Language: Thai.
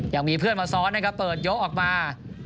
ยังมีเพื่อนมาซ้อนนะครับเปิดยกออกมา